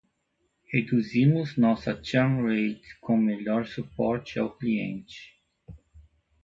Reduzimos nossa churn rate com melhor suporte ao cliente.